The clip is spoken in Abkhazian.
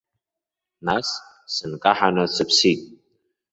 Нас сынкаҳаны сыԥсит.